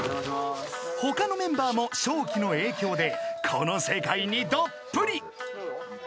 ［他のメンバーもしょーきの影響でこの世界にどっぷり］